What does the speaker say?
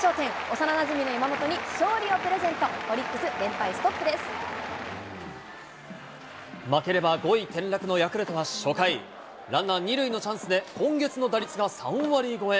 幼なじみの山本に勝利をプレゼント、オリックス、連敗ストップで負ければ５位転落のヤクルトは初回、ランナー２塁のチャンスで、今月の打率が３割超え。